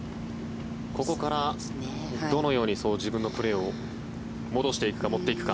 ここからどのように自分のプレーを戻していくか持っていくか。